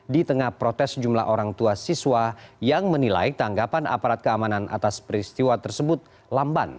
di tengah protes jumlah orang tua siswa yang menilai tanggapan aparat keamanan atas peristiwa tersebut lamban